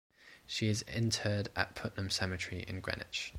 She is interred at Putnam Cemetery in Greenwich.